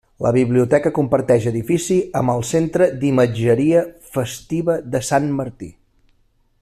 La biblioteca comparteix edifici amb el Centre d’Imatgeria Festiva de Sant Martí.